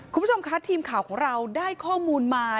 คุณผู้ชมคะทีมข่าวของเราได้ข้อมูลมา